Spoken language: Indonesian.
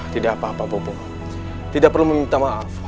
tidak apa apa pupuk tidak perlu meminta maaf